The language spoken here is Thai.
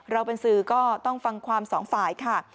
เราเป็นสื่อก็ต้องฟังความสองฝ่ายค่ะ